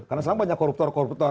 karena selalu banyak koruptor koruptor